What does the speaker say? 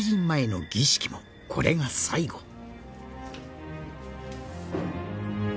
前の儀式もこれが最後